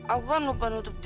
aku kan lupa nutup kamarnya